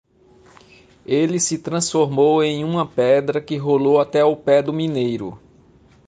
Ele se transformou em uma pedra que rolou até o pé do mineiro.